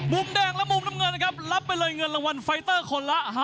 มุมแดงและมุมน้ำเงินนะครับรับไปเลยเงินรางวัลไฟเตอร์คนละ